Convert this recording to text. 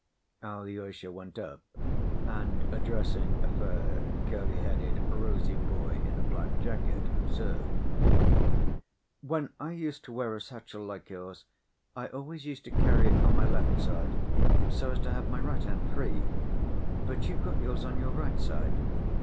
Alyosha went up and, addressing a fair, curly‐headed, rosy boy in a black jacket, observed: "When I used to wear a satchel like yours, I always used to carry it on my left side, so as to have my right hand free, but you've got yours on your right side.